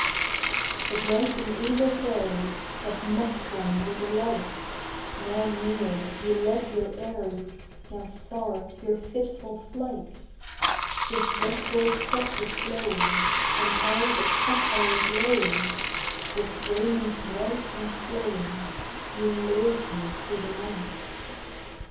But like an evil fairy, That mocks one with a light, Now near, you led your airy, Now far, your fitful flight: With red gold tresses blowing, And eyes of sapphire glowing, With raiment white and flowing, You lured me through the night.